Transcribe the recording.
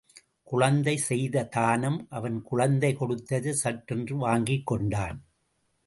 குழந்தை செய்த தானம் அவன் குழந்தை கொடுத்ததைச் சட்டென்று வாங்கிக் கொண்டான்.